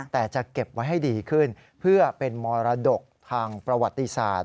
แต่จะเก็บไว้ให้ดีขึ้นเพื่อเป็นมรดกทางประวัติศาสตร์